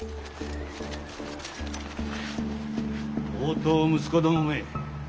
放蕩息子どもめ。